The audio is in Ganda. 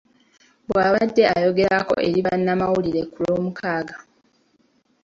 Bw'abadde ayogerako eri bannamawulire ku Lwomukaaga.